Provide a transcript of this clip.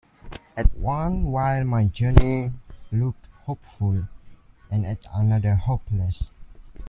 At one while my journey looked hopeful, and at another hopeless.